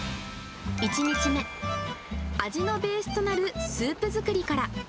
１日目、味のベースとなるスープ作りから。